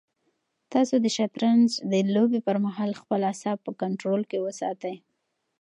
تاسو د شطرنج د لوبې پر مهال خپل اعصاب په کنټرول کې وساتئ.